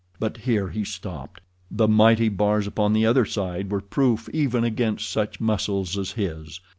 But here he stopped. The mighty bars upon the other side were proof even against such muscles as his.